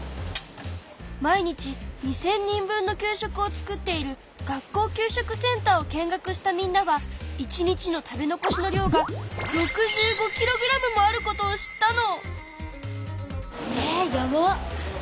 毎日２０００人分の給食を作っている学校給食センターを見学したみんなは１日の食べ残しの量が６５ｋｇもあることを知ったの！